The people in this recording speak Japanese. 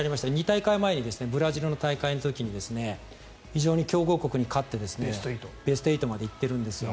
２大会前のブラジルの大会の時に非常に強豪国に勝ってベスト８まで行っているんです。